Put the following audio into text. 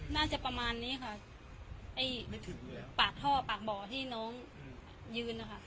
น่าจะประมาณนี้ค่ะปากท่อปากบ่อที่น้องยืนค่ะ